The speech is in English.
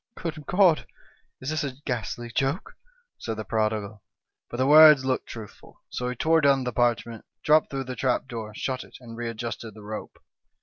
"' Good God ! is this a ghastly joke ?' said the prodi gal. But the words looked truthful ; so he tore down the parchment, dropped through the trap door, shut it, and readjusted the rope.